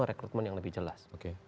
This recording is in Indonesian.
mereka menerjemahkan yang lebih jelas